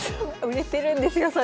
売れてるんですよそれは。